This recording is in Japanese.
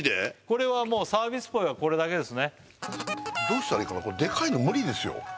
これはもうサービスポイはこれだけですねどうしたらいいかなこれデカいの無理ですよ